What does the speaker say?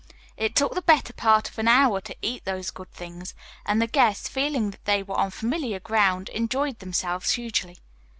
It took the better part of an hour to eat these good things, and the guests, feeling that they were on familiar ground, enjoyed themselves hugely.